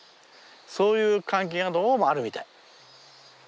そういう関係がどうもあるみたい。